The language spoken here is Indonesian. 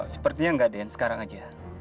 sepertinya enggak den sekarang saja